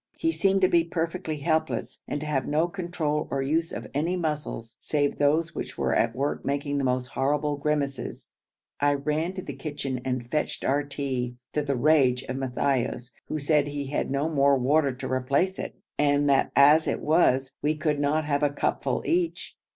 He seemed to be perfectly helpless, and to have no control or use of any muscles save those which were at work making the most horrible grimaces. I ran to the kitchen and fetched our tea, to the rage of Matthaios, who said he had no more water to replace it, and that as it was we could not have a cupful each.